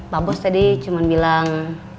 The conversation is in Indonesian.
pak bos tadi cuma bilang